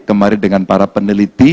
kemarin dengan para peneliti